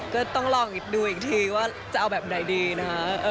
ก็ต้องลองดูอีกทีว่าจะเอาแบบไหนดีนะคะ